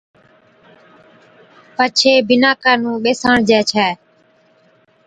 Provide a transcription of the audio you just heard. پڇي بِناڪان نُون ٻِساڻجي ڇَي